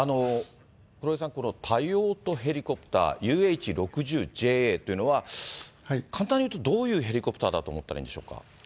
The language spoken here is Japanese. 黒井さん、この多用途ヘリコプターＵＨ６０ＪＡというのは、簡単に言うとどういうヘリコプターだと思ったらいいんでしょうか。